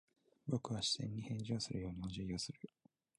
僕は視線に返事をするようにお辞儀をする。